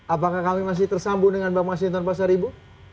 apakah kami masih tersambung dengan bang mas hinton pasar ibu